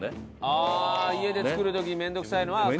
ああ家で作る時に面倒くさいのは買う？